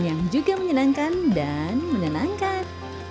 yang juga menyenangkan dan menenangkan